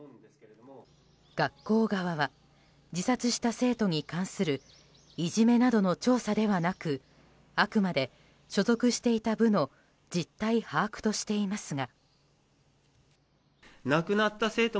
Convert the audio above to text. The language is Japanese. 学校側は自殺した生徒に関するいじめなどの調査ではなくあくまで、所属していた部の実態把握としていますが。